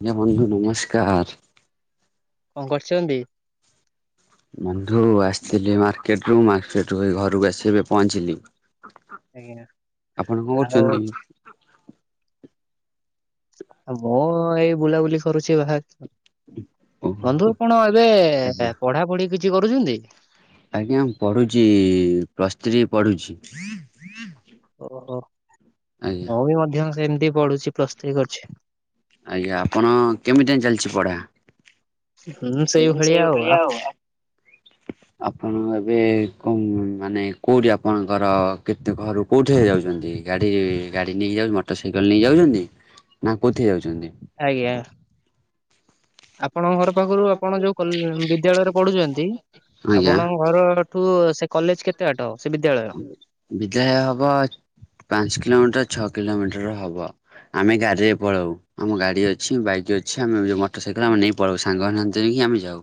ଆଜ୍ଞା ବନ୍ଧୁ ନମସ୍କାର କଣ କରିଛନ୍ତି? ବନ୍ଧୁ ଆସିଥିଲି ମାର୍କେଟରୁୁ ମାର୍କେଟ ଘରକୁ ଆସି ଏବେ ପହଞ୍ଚିଲି। ଆଜ୍ଞା ଆପଣ କଣ ଆଉ କରୁଛନ୍ତି? ଆ ମୁଁ ଏଇ ବୁଲାବୁଲି କରୁଛି ବାହ ଓହୋ ବନ୍ଧୁ କଣ ଏବେ ଆଜ୍ଞା ପଢାପଢି କିଛି କରୁଛନ୍ତି? ଆଜ୍ଞା ପଢୁଛି ପ୍ଲସ୍ ଥ୍ରୀ ପଢୁଛି। ଓହୋ ଆଜ୍ଞା ମୁଁ ବି ମଧ୍ୟ ସେମିତି ପଢୁଛି ପ୍ରସ୍ତୁତି କରୁଛି। ଆଜ୍ଞା ଆପଣ କେମିତି ଯାଇ ଚାଲିଛି ପଢ଼ା? ହୁଁ ସେଇଭଳିଆ ସେଇ ଭଳିଆ ଆ- ଆଉ ଆପଣ ଏବେ କ ମାନେ କୋଉଁଠି ଆପଣଙ୍କର କେତେ ଘର କେଉଁଠି ଯାଉଛନ୍ତି ଗାଡ଼ି ଗାଡ଼ି ନେଇକି ଯାଉଛନ୍ତି ମୋଟର ସାଇକେଲ ନେଇକ ଯାଉଛନ୍ତି ନା କେଉଁଠି ଯାଉଛନ୍ତି? ଆଜ୍ଞା। ଆପଣଙ୍କ ଘର ପାଖରୁ ଆପଣ ଯୋଉ ବିଦ୍ୟାଳୟରେ ପଢୁଛନ୍ତି? ଆଜ୍ଞା ଆପଣଙ୍କ ଘରଠୁ ସେ କଲେଜ କେତେ ବାଟ ସେ ବିଦ୍ୟାଳୟ? ବିଦ୍ୟାଳୟ ହବ ପାଞ୍ଚ କିଲୋମିଟର ଛଅ କିଲୋମିଟର ହବ। ଆମେ ଗାଡ଼ିରେ ପଳାଉ। ଆମ ଗାଡି ଅଛି, ବାଇକ୍ ଅଛି, ଆମେ ଯଉ ମଟର ସାଇକେଲ ଆମେ ନେଇ ପଳୁ ସାଙ୍ଗ ହାନ୍ତି ଆମେ ଯାଉ।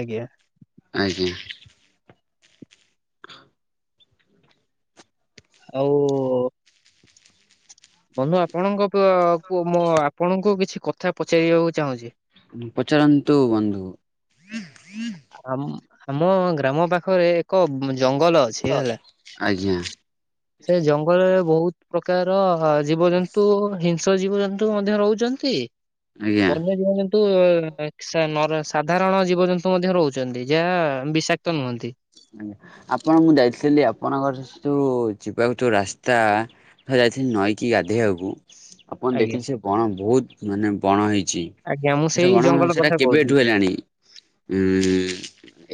ଆଜ୍ଞା। ଆଜ୍ଞା ଆଉ ବନ୍ଧୁ ଆପଣଙ୍କ ମୁଁ ଆପଣଙ୍କୁ କିଛି କଥା ପଚାରିବାକୁ ଚାହୁଁଛି? ପଚରନ୍ତୁ ବନ୍ଧୁ। ଆମ ଗ୍ରାମ ପାଖରେ ଏକ ଜଙ୍ଗଲ ଅଛି ହେଲା ଆଜ୍ଞା। ସେ ଜଙ୍ଗଲରେ ବହୁତ ପ୍ରକାର ଜୀବଜନ୍ତୁ ହିଂସ ଜୀବଜନ୍ତୁ ମଧ୍ୟ ରହୁଛନ୍ତି ଆଜ୍ଞା। ବନ୍ୟ ଜୀବ ଯନ୍ତୁ ସାଧାରଣ ଜୀବଜନ୍ତୁ ମଧ୍ୟ ରହୁଛନ୍ତି ଯାହା ବିଷାକ୍ତ ନୁହଁନ୍ତି। ଆଜ୍ଞା ଆପଣ ମୁଁ ଯାଇଥିଲି ଆପଣଙ୍କର ଯୋଉ ଯିବାକୁ ଯୋଉ ରାସ୍ତା ଯାଇଥିଲି ନଈକି ଗାଧୋଇବାକୁ ଆପଣ ଆଜ୍ଞା ଦେଖିଲେ ସେ ବଣ ବହୁତ ମାନେ ବଣ ହେଇଛି। ଆଜ୍ଞା ମୁଁ ସେଟା ସେଇ କଣ ଜଙ୍ଗଲ ସେଟା କଥା କହୁଛି କେବେଠୁ ହେଲାଣି? ହୁଁ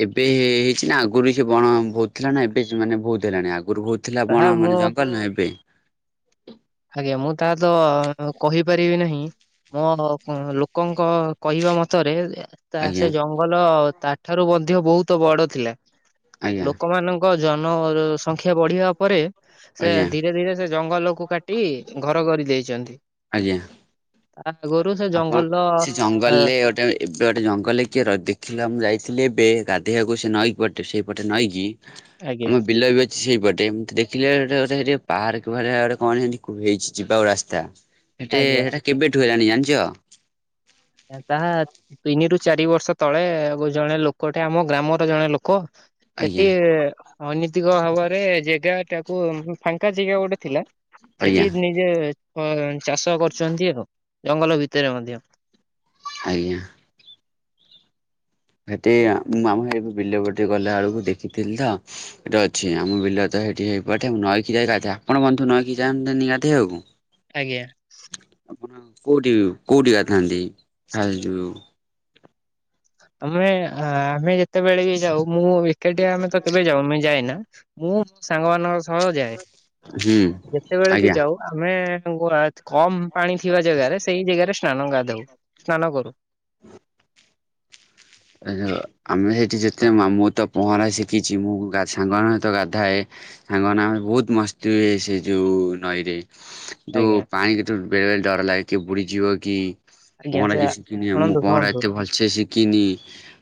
ଏବେ ହେଇଛି ନା ଆଉ ଆଗରୁ ସେ ବଣ ଭୋଉଥିଲା ନା ଏବେ ସେ ମାନେ ଭହୁ ହେଥିଲାଣି ଆଗରୁ ଭହୁଥିଲା ତାହା ବଣ ମୁଁ ମାନେ ଜଙ୍ଗଲ ନ ଏବେ ଆଜ୍ଞା ମୁଁ ତାହା ତ କହିପାରିବି ନାହିଁ। ମୋ ଲୋକଙ୍କ କହିବା ମତରେ ତା ଆଜ୍ଞା ସେ ଜଙ୍ଗଲ ତା ଠାରୁ ମଧ୍ୟ ବହୁତ ବଡ ଥିଲା ଆଜ୍ଞା ଲୋକମାନଙ୍କ ଜନ ସଂଖ୍ୟା ବଢିବା ପରେ ସେ ଆଜ୍ଞା ଧୀରେ ଧୀରେ ସେ ଜଙ୍ଗଲକୁ କାଟି ଘର କରି ଦେଇଛନ୍ତି। ଆଜ୍ଞା ତା ଆଗୋରୁ ସେ ଆପଣ ଜଙ୍ଗଲର ସେ ଅ ଜଙ୍ଗଲରେ ଗୋଟେ ଏବେ ଗୋଟେ ଜଙ୍ଗଲରେ କିଏ ଦେଖିଲେ ମୁଁ ଯାଇଥିଲି ଏବେ ଗାଧୋଇବାକୁ ସେ ନଈକି ପଟେ ସେଇପଟେ ନଈକି ଆଜ୍ଞା। ଆମ ବିଲ ବି ସେଇପଟେ ଏମତି ଦେଖିଲେ ଗୋଟେ ଗୋଟେ ଗୋଟେ ପାର୍କ ଭଳିଆ ଗୋଟେ କଣ ସେମିତି କୁ ହେଇଛି ଯିବାକୁ ରାସ୍ତା। ସେଠେ ଆଜ୍ଞା ସେଟା କେବେଠୁ ହେଲାଣି ଜାଣିଚ। ତାହା ତିନିରୁ ଚାରି ବର୍ଷ ତଳେ ଗୋ ଜଣେ ଲୋକଟେ ଆମ ଗ୍ରାମର ଜଣେ ଲୋକ ଆଜ୍ଞା ସେଠି ଅନୀତିକ ଭାବରେ ଜେଗା ଟାକୁ ଉଁ ଫାଙ୍କା ଜେଗା ଗୋଟେ ଥିଲା ଆଜ୍ଞା ସେଠି ନି ଯେ ଅ ଚାଷ କରୁଛନ୍ତି ଆଉ ଜଙ୍ଗଲ ଭିତରେ ମଧ୍ୟ। ଆଜ୍ଞା। ସେଠି ଆ ମୁଁ ଆମ ଗାଁରେ ବିଲ ଗୋଟେ ଗଲା ବେଳକୁ ଦେଖିଥିଲି ତ ସେଇଟା ଅଛି ଆମ ବିଲ ତ ହେଇଠି ହେଇପଟେ ମୁଁ ନଈକି ଯାଏ ଗାଧାଏ ଆପଣ ବନ୍ଧୁ ନଈକି ଯାଅନ୍ତିନି ଗାଧେଇଆକୁ? ଆଜ୍ଞା। ଆପଣ କୋଉଠି କୋଉଠି ଗାଧାନ୍ତି ହା ଯୋଉ ଆମେ ଆ ଆମେ ଯେତେବେଳେ ବି ଯାଉ ମୁଁ ଓ ବିଲି ସେଠି ଆମେ ତ କେବେ ଜମା ଯାଏନା ମୁଁ ମୋ ସାଙ୍ଗମାନଙ୍କ ସହ ଯାଏ। ହୁଁ ଯେତେବେଳେ ବି ଆଜ୍ଞା। ଯାଉ ଆମେ [unintelligible] କମ ପାଣି ଥିବା ଜେଗାରେ ସେଇ ଜେଗାରେ ସ୍ନାନ ଗାଧାଉ ସ୍ନାନ କରୁ। [unintelligible] ଆମେ ସେଇଠି ଯେତେ ମା ମୁଁ ତ ପହଁରା ଶିଖିଛି ମୁଁ ଗା ସାଙ୍ଗମାନଙ୍କ ସହିତ ଗାଧାଏ। ସାଙ୍ଗମାନେ ଆମେ ବହୁତ ମସ୍ତି ହୁଏ ସେ ଯୋଉ ନଈରେ। ତୁ ଆଜ୍ଞା ପାଣି କିନ୍ତୁ ବେଳେ ବେଳେ ଡର ଲାଗେ କିଏ ବୁଡିଯିବ କି? ଆଜ୍ଞା ପହଁରା ସେ ବି ଶିଖିନି ମୁଁ ଶୁଣନ୍ତୁ ପହଁରା ଶୁଣନ୍ତୁ ଏତେ ଭଲ ସେ ସେ ଶିଖିନି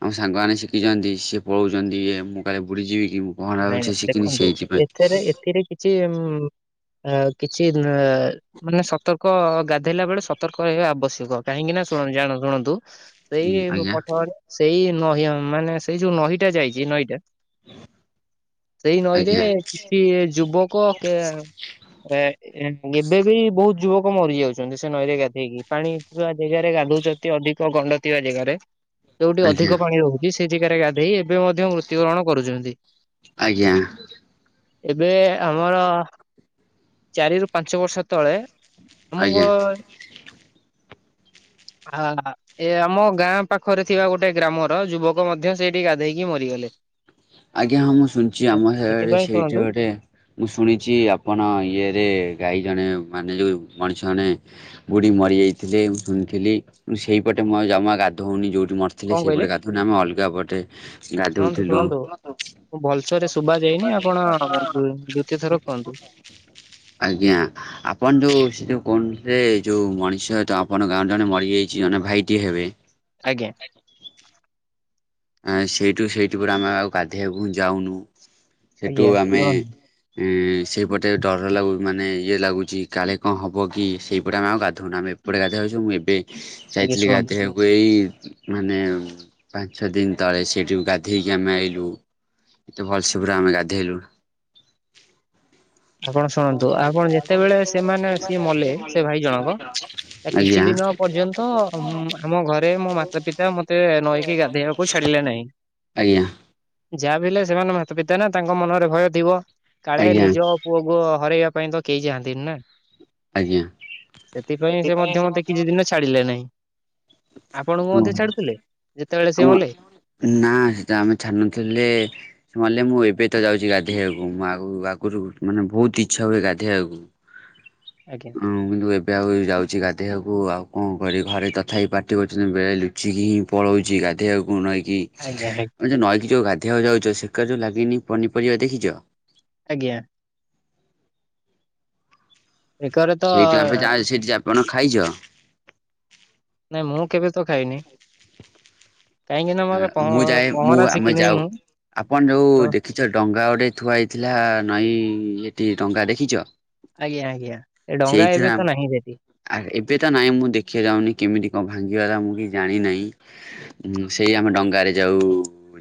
ଆମ ସାଙ୍ଗମାନେ ଶିଖିଛନ୍ତି ସିଏ ପଳଉଛନ୍ତି ଇଏ ମୁଁ କାଳେ ବୁଡ଼ିଯିବି କି ମୁଁ। ପହଁରା ନାଇଁ ନାଇଁ ଭଲସେ ଶିଖିନି ଦେଖନ୍ତୁ ସେଇଥିପାଇଁ। ଏଥିରେ ଏଥିରେ କିଛି ଉଁ ଆ କିଛି ନା ମାନେ ସତର୍କ ଗାଧେଇଲା ବେଳେ ସତର୍କ ରହିବା ଆବଶ୍ୟକ କାହିଁକି ନା ଶୁଣନ୍ତୁ ଜାଣ ଶୁଣନ୍ତୁ ସେଇ ଆଜ୍ଞା ପଠରେ ସେଇ ନହୀ ମାନେ ସେଇ ଯୋଉ ନହୀଟା ଯାଇଛି ନଈଟା ସେଇ ନଈରେ ଆଜ୍ଞା କିଛି ଯୁବକ କେ ରେ ଏଁ ଏବେ ବି ବହୁତ ଯୁବକ ମରିଯାଉଛନ୍ତି ସେ ନଈରେ ଗାଧେଇକି ପାଣି ଥିବା ଜେଗାରେ ଗାଧଉଚ ଟିକେ ଅଧିକ ଗଣ୍ଡ ଥିବା ଜେଗାରେ। ଯୋଉଠି ଆଜ୍ଞା ଅଧିକ ପାଣି ରହୁଛି ସେ ଜେଗାରେ ଗାଧେଇ ଏବେ ମଧ୍ୟ ମୃତ୍ୟୁବରଣ କରୁଛନ୍ତି। ଆଜ୍ଞା। ଏବେ ଆମର ଚାରିରୁୁ ପାଞ୍ଚ ବର୍ଷ ତଳେ। ଆଜ୍ଞା। [inaudible] ଆ। ଏ ଆମ ଗାଁ ପାଖରେ ଥିବା ଗୋଟେ ଗ୍ରାମର ଯୁବକ ମଧ୍ୟ ସେଇଠି ଗାଧେଇକି ମରିଗଲେ। ଆଜ୍ଞା ହଁ ମୁଁ ଶୁଣିଚି ସେ ଆମ ହେଆଡ଼େ ସେଥିପାଇଁ ଶୁଣନ୍ତୁ ସେଇଠି ଗୋଟେ। ମୁଁ ଶୁଣିଚି ଆପଣ ଇଏରେ ଗାଈ ଜଣେ ମାନେ ଯୋଉ ମଣିଷ ମାନେ ବୁଢୀ ମରିଯାଇଥିଲେ ମୁଁ ଶୁଣିଥିଲି ମୁଁ ସେଇପଟେ ମୁଁ ଆଉ ଜମା ଗାଧୋଉନି ଯୋଉଠି ମର୍ କଣ ଥିଲେ କହିଲେ ସେଇପଟେ ଗାଧୋଉନୁ ଆମେ ଅଲଗା ପଟେ ଶୁଣନ୍ତୁ ଗାଧୋଉଥିଲୁ। ଶୁଣନ୍ତୁ ମୁଁ ଭଲସରେ ଶୁଭା ଯାଇନି ଆପଣ ଦୁ ଦୁତୀୟ ଥର କହନ୍ତୁ। ଆଜ୍ଞା। ଆପଣ ଯୋଉ ସେ ଯୋଉ କହୁନଥିଲେ ଯୋଉ ମଣିଷ ଟା ଆପଣଙ୍କ ଗାଁରେ ଜଣେ ମରିଯାଇଛି ଜଣେ ଭାଇଟିଏ ହେବେ। ଆଜ୍ଞା। ଆଁ ସେଇଠୁ ସେଇଠୁ ଗୋଟେ ଆମେ ଆଉ ଗାଧେଇବାକୁ ହି ଯାଉନୁ ସେଠୁ ଆଜ୍ଞା ଆମେ କୁହନ୍ତୁ। ଏଁ ସେଇପଟେ ଡର ଲାଗୁ ମାନେ ଇଏ ଲାଗୁଛି କାଳେ କଁ ହବ କି ସେଇପଟେ ଆମେ ଆଉ ଗାଧୋଉନୁ ଆମେ ଏ ଏପଟେ ଗାଧେଇବାକୁ ଯିବ ମୁଁ ଏବେ ଆଜ୍ଞା ଯାଇଥିଲି ଶୁଣନ୍ତୁ ଗାଧେଇବାକୁ ଏଇ ମାନେ ଛ ଦିନ ତଳେ ସେଇଠୁ ଗାଧେଇକି ଆମେ ଆଇଲୁ ଏତେ ଭଲସେ ପୁରା ଆମେ ଗାଧେଇଲୁ। ଆପଣ ଶୁଣନ୍ତୁ ଆପଣ ଯେତେବେଳେ ସେମାନେ ସିଏ ମଲେ ସେ ଭାଇ ଜଣଙ୍କ। ଆ କିଛି ଆଜ୍ଞା ଦିନ ପର୍ଯ୍ୟନ୍ତ ଉଁ ଆମ ଘରେ ମୋ ମାତା ପିତା ମତେ ନଈକି ଗାଧେଇବାକୁ କୁ ଛାଡ଼ିଲେ ନାହିଁ। ଆଜ୍ଞା। ଯାହା ବି ହେଲେ ସେମାନେ ମାତା ପିତା ନା ତାଙ୍କ ମନରେ ଭୟ ଥିବ କାଳେ ଆଜ୍ଞା ନିଜ ପୁଅକୁୁ ହରାଇବା ପାଇଁ ତ କେହି ଯାଆନ୍ତିନି ନା। ଆଜ୍ଞା ସେଥିପାଇଁ ସେ ମଧ୍ୟ ମତେ କିଛି ଦିନ ଛାଡିଲେ ନାହିଁ। ଆପଣଙ୍କୁ ମଧ୍ୟ ଛାଡୁଥିଲେ ଯେତେବେଳେ ଆମ ସିଏ ମଲେ। ନା ସେ ଟାଇମ ରେ ଛାଡୁନଥିଲେ। ସେ ମଲେ ମୁଁ ଏବେ ତ ଯାଉଛି ଗାଧୋଇଆକୁ ମୁଁ ଆଗ ଆଗରୁ ମାନେ ବହୁତ ଇଚ୍ଛା ହୁଏ ଗାଧୋଇଆକୁ। ଆଜ୍ଞା। ହଁ କିନ୍ତୁ ଏବେ ଆଉ ଯାଉଛି ଗାଧୋଇବାକୁ ଆଉ କଣ କରିବି ଘରେ ତଥାପି ପାଟି କରୁଛନ୍ତି ବେଲି। ଲୁଚିକି ପଳୋଉଚି ଗାଧେଇବାଜୁ ନାଇକି। ଆଜ୍ଞା ଆ ଆ ଯେଉଁ ନଈକି ଯେଉ ଗାଧେଇବାକୁ ଯାଉଛ ସେ କରେ ଲାଗିନି ପନିପରିବା ଦେଖିଛ। ଆଜ୍ଞା। ବେକରେ ତ ସେଇଠୁ ଆମେ ଯାଇ ସେଇଠି ଆପଣ ଖାଇଛ। ନାଇଁ ମୁଁ କେବେ ତ ଖାଇନି। କାହିଁକି ନା ମୋର ପହ ମୁଁ ଯାଏ ମୁଁ ପହଁରା ଆମେ ଶିଖିନି ଯାଉ ମୁଁ। ଆପଣ ଯୋଉ ତ ଦେଖି ସେ ଡଙ୍ଗା ଗୋଟେ ଥୁଆ ହେଇଥିଲା ନଈ ଏଠି ଡଙ୍ଗା ଦେଖିଛ। ଆଜ୍ଞା ଆଜ୍ଞା ଏ ଡଙ୍ଗା ଏବେ ତ ନାହିଁ ସେଠି। ଆ ଏବେ ତ ନାଇଁ ମୁଁ ଦେଖିଆକୁ ଯାଉନି କେମିତି କଣ ଭାଙ୍ଗିଗଲା ମୁଁ କି ଜାଣିିନାଇ। ସେଇ ଆମେ ଡଙ୍ଗାରେ ଯାଉ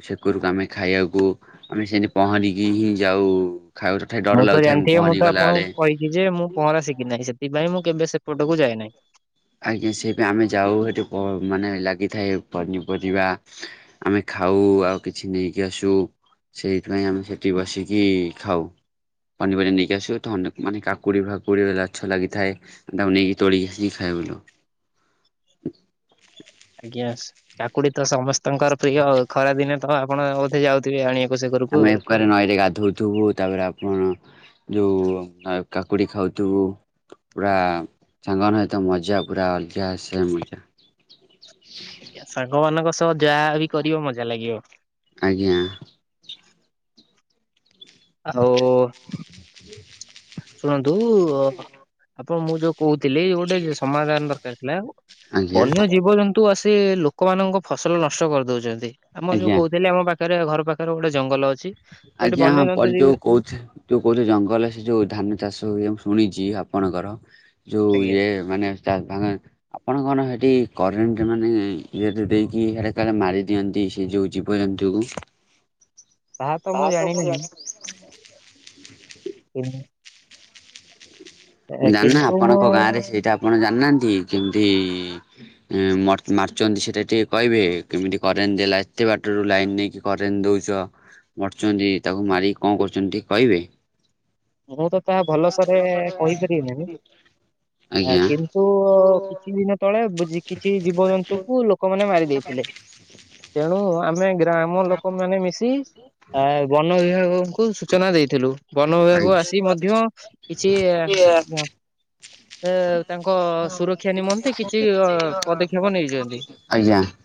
ସେକରକୁ ଆମେ ଖାଇବାକୁ ଆମେ ସେଠୀ ପହଁରିକି ହିଁ ଯାଉ ତଥାପି ଡର ମୁଁ ତ ଲାଗୁଥାଏ ଜାଣିଥିବି ମୁଁ ପହଁରି ତ ଗଲା ବେଳେ। ଆପଣଙ୍କୁ କହିଛି ଯେ ମୁଁ ପହଁରା ଶିଖି ନାହିଁ ସେଥି ପାଇଁ ମୁଁ କେବେ ସେପଟକୁ ଯାଇ ନାହିଁ ଆଜ୍ଞା ସେଇ ପାଇଁ ଆମେ ଯାଉ ସେଠି ମାନେ ଲାଗିଥାଏ ପନିପରିବା ଆମେ ଖାଉ ଆଉ କିଛି ନେଇକି ଆସୁ। ସେଇଥିପାଇଁ ଆମେ ସେଠି ବସିକି ଖାଉ। ପନିପରିବା ନେଇକି ଆସିବ ତ ମାନେ କାକୁଡ଼ି ଫାକୁଡି ଗଛ ଲାଗିଥାଏ ତାକୁ ନେଇକି ତୋଳିକି ଖାଇବା ଭଲ ଆଜ୍ଞା କାକୁଡି ତ ସମସ୍ତଙ୍କର ପ୍ରିୟ ଖରା ଦିନେ ତ ଆପଣ ବୋଧେ ଯାଉଥିବେ ଆଣିଆ ଆମେ ତାରେ ନଈରେ ଗାଧୋଉଥିବୁ ତାପରେ ଆପଣ ଯୋଉ କାକୁଡି ଖାଉଥିବୁ ପୁରା ସାଙ୍ଗ ମାନଙ୍କ ସହିତ ମଜା ପୁରା ଅଲଗା ସେ ମଜା। ସାଙ୍ଗ ମାନଙ୍କ ସହ ଯାହା ବି କରିବ ମଜା ଲାଗିବ। ଆଜ୍ଞା। ହାଲୋ ଶୁଣନ୍ତୁ ଆପଣ ମୁଁ ଯୋଉ କହୁଥିଲି ଗୋଟେ ସମାଧାନ ଦରକାର ଥିଲା ଆଜ୍ଞା ବନ୍ୟ ଜୀବଜନ୍ତୁ ନ୍ତୁ ଆସି ଲୋକମାନଙ୍କ ଫସଲ ନଷ୍ଟ କରିଦଉଛନ୍ତି ଆମ ଯୋଉ ଆଜ୍ଞା କହୁଥିଲେ ଆମ ପାଖ ପାଖରେ ଘର ପାଖରେ ଗୋଟେ ଜଙ୍ଗଲ ଅଛି। ସେଠି ଆଜ୍ଞା ବନ୍ୟଜନ୍ତୁ ପଲଟୁ ଯିବେ କହୁଥି ଯୋଉ କହୁଛ ଜଙ୍ଗଲରେ ସେ ଯୋଉ ଧାନ ଚାଷ ହୁଏ ମୁଁ ଶୁଣିଛି ଆପଣଙ୍କର ଯୋଉ ଆଜ୍ଞା ଇଏ ମାନେ [unintelligible] ଆପଣ କଣ ସେଠି କରେଣ୍ଟ ମାନେ ବିଦ୍ୟୁତ୍ ଦେଇକି ମାରି ଦିଅନ୍ତି ସେ ଜୀବ - ଜୀବ ଜନ୍ତୁକୁ ତାହା ତ ମୁଁ ଜାଣିନାହିଁ। ହୁଁ ଜାଣିନା କିନ୍ତୁ ମୁଁ ଆପଣଙ୍କ ଗାଁ ରେ ସେଇଟା ଆପଣ ଜାଣିନାହାନ୍ତି କେମିତି ଇ ଇ ମାରୁଛନ୍ତି ସେଟା ଟିକେ କହିବେ କେମିତି କରେଣ୍ଟ ରେ ଏତେ ବାଟରୁ ଲାଇନ୍ ନେଇକି କରେଣ୍ଟ ଦଉଛ ମରୁଛନ୍ତି ତାକୁ ମାରିକି କଣ କରୁଛନ୍ତି କହିବେ। ମୁଁ ତ ତାହା ଭଲସରେ କହିପାରିବି ନାହିଁ ଆ ଆଜ୍ଞା କି ତ କିଛି ଦିନ ତଳେ ବି କିଛି ଜୀବଜନ୍ତୁକୁ ଲୋକମାନେ ମାରି ଦେଇଥିଲେ। ତେଣୁ ଆମେ ଗ୍ରାମ ଲୋକ ମାନେ ମିଶି ଆ ବନ ବିଭାଗଙ୍କୁ ସୂଚନା ଦେଇଥିଲୁ ବନ ବନ ବିଭାଗକୁ ଆସି ମଧ୍ୟ କିଛି ଆ ଏ ତାଙ୍କ ସୁରକ୍ଷା ନିମନ୍ତେ କିଛି ଅ ପଦକ୍ଷେପ ନେଇଛନ୍ତି।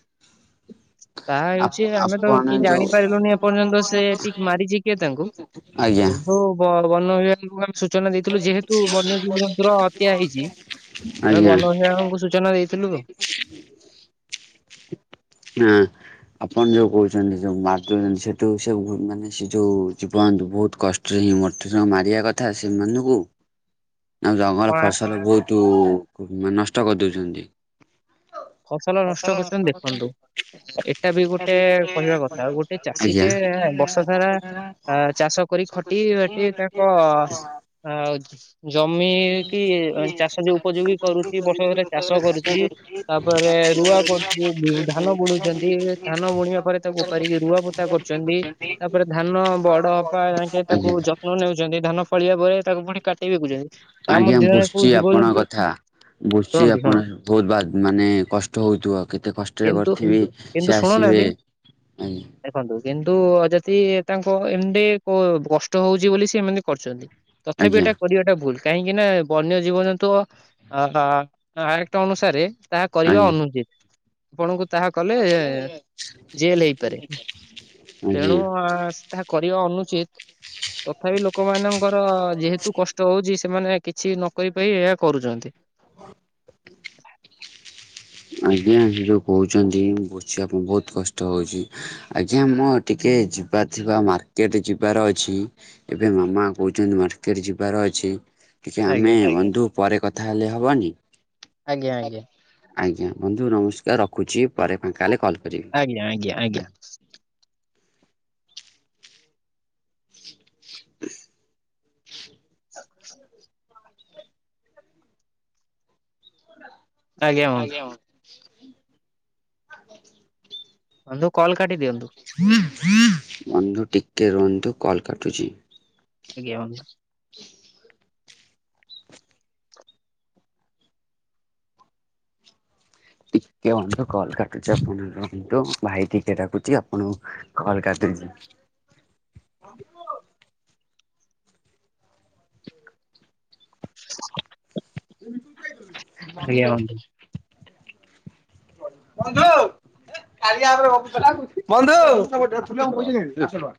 [inaudible] ତାହା ହେଉଛି ଆମେ ତ ଆପଣ କିଏ ଯୋଉ ଜାଣିପାରିଲୁନି ଏପର୍ଯ୍ୟନ୍ତ ସେ ଟିକି ମାରିଛି କିଏ ତାଙ୍କୁ ଆଜ୍ଞା କିନ୍ତୁ ବନ ବନ ବିଭାଗକୁ ଆମେ ସୂଚନା ଦେଇଥିଲୁ ଯେହେତୁ ବନ୍ୟ ଜୀବଜନ୍ତୁର ହତ୍ୟା ହେଇଛି ଆମେ ବନବିଭାଗଙ୍କୁ ସୂଚନା ଦେଇଥିଲୁ ଆଉ ଆଁ ଆପଣ ଯୋଉ କହୁଛନ୍ତି ଯୋଉ ମାର୍ ଦଉଛନ୍ତି ସେଠୁ ସେ ମାନେ ସେ ଯୋଉ ଜୀବଜନ୍ତୁ ବହୁତ କଷ [unintelligible] ମାରିବା କଥା ସେମାନଙ୍କୁ ଆଉ ଜଙ୍ଗଲ କଣ ଫସଲ ବହୁତ ତୁ ମା ନଷ୍ଟ କରିଦଉଛନ୍ତି। ଫସଲ ନଷ୍ଟ କରିଛନ୍ତି ଦେଖନ୍ତୁ ଏଇଟା ବି ଗୋଟେ ଆଜ୍ଞା। କହିବା କଥା ଗୋ ଟେ ଚାଷୀ ଆଜ୍ଞା ଟେ ବର୍ଷ ସାରା ଆ ଚାଷ କରି [unintelligible] ଆଉ ଜମି କି ଚାଷ ଯୋଉ ଉପଯୋଗୀ କରୁଛି ବର୍ଷ ରେ ଚାଷ କରୁଛି। ତାପରେ ରୁଆ କରୁଛି ଧାନ ବୁଣୁଛନ୍ତି ଧାନ ବୁଣିବା ପରେ ତାକୁ ଓପାରିକି ରୁଆ ପୋତା କରୁଛନ୍ତି। ତାପରେ ଧାନ ବଡ଼ ହବା ଯାଇକେ ତାକୁ ଯତ୍ନ ନେଉଛନ୍ତି ଧାନ ଫଳିବା ପରେ ତାକୁ ପୁଣି କାଟି ବିକୁଛନ୍ତି ତା ମଧ୍ୟରେ କଉ ଜୀବଜନ୍ତୁ ଥା ବୁସୁଚି ଶୁଣନ୍ତୁ ଶୁଣ ଆପଣ ବହୁତ୍ ବା ମାନେ କଷ୍ଟ ହଉଥିବ କେତେ କଷ୍ଟ କଷ୍ଟରେ କିନ୍ତୁ କରିଥିବେ କିନ୍ତୁ ସେ ଆସିବେ। ଶୁଣୁନାହାନ୍ତି ଦେଖନ୍ତୁ କିନ୍ତୁ ଯଦି ତାଙ୍କୁ ଏମତି କ କଷ୍ଟ ହଉଛି ବୋଲି ସେ ଏମିତି କରୁଛନ୍ତି। ତଥାବି ଆଜ୍ଞା ଏଇଟା କରିବାଟା ଭୁଲ୍। କାହିଁକି ନା ବନ୍ୟ ଜୀବଜନ୍ତୁ ଆ ଆ ଆୟତ ଅନୁସାରେ ତାହା କରିବା ଆଜ୍ଞା ଅନୁଚିତ୍ ଆପଣଙ୍କୁ ତାହା କଲେ ଜେଲ୍ ହେଇପାରେ। ତେଣୁ ଆଜ୍ଞା। ଆ ତାହା କରିବା ଅନୁଚିତ୍। ତଥାପି ଲୋକମାନଙ୍କର ଯେହେତୁ କଷ୍ଟ ହଉଛି ସେମାନେ କିଛି ନକରି ପାଇ ଏହା କରୁଛନ୍ତି। [inaudible] ଆଜ୍ଞା ସେ ଯୋଉ କହୁଛନ୍ତି ମୁଁ ବୁଝୁଛି ଆପଣଙ୍କୁ ବହୁତ୍ କଷ୍ଟ ହଉଛି। ଆଜ୍ଞା ମୋ ଟିକେ ଯିବାର ଥିବା ମାର୍କେଟ ଯିବାର ଅଛି। ଏବେ ମାମା କହୁଛନ୍ତି ମାର୍କେଟ ଯିବାର ଅଛି। ଟିକେ ଆମେ ଆଜ୍ଞା ବନ୍ଧୁ ପରେ କଥା ହେଲେ ହେବନି? ଆଜ୍ଞା ଆଜ୍ଞା। ଆଜ୍ଞା ବନ୍ଧୁ ନମସ୍କାର ରଖୁଛି ପରେ ଫାଙ୍କାହେଲେ କଲ୍ କରିବି। ଆଜ୍ଞା ଆଜ୍ଞା ଆଜ୍ଞା। [inaudible] [unintelligible] ଆଜ୍ଞା ବ ବନ୍ଧୁ କଲ୍ କାଟିଦିଅନ୍ତୁ। ବନ୍ଧୁ ଟିକେ ରୁହନ୍ତୁ କଲ୍ କାଟୁଛି। ଆଜ୍ଞା ବନ୍ଧୁ। ଟିକେ ବନ୍ଧୁ କଲ୍ କାଟୁଛି ଆପଣ ରୁହନ୍ତୁ ଭାଇ ଟିକେ ଡ଼ାକୁଛି ଆପଣଙ୍କୁ କଲ୍ କାଟିଚି। [unintelligible] [inaudible] ବନ୍ଧୁ। ଆଜ୍ଞା ବନ୍ଧୁ। କାରିଆ ଅପ୍ ରେ ଗପୁଛନା କଉଠି ବନ୍ଧୁ [unintelligible]